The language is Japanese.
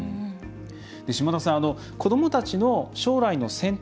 島田さん、子どもたちの将来の選択。